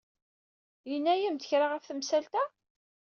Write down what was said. Yenna-yam-d kra ɣef temsalt-a?